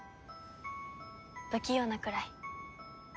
不器用なくらい。